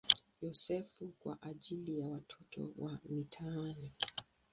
Yosefu" kwa ajili ya watoto wa mitaani.